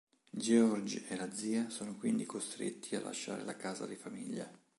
George e la zia sono quindi costretti a lasciare la casa di famiglia.